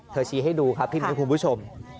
เธอชี้ให้ดูครับพี่หมูผู้ชม